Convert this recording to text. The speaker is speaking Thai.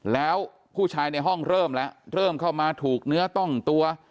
แล้วผู้ชายในห้องเริ่มแล้วเริ่มเข้ามาถูกเนื้อต้องตัว